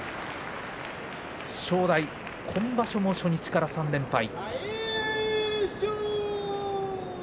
正代、今場所も初日から３連敗。